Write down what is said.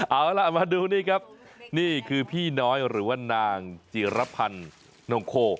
เอาล่ะมาดูนี่ครับนี่คือพี่น้อยหรือว่านางจิรพันธ์นงโค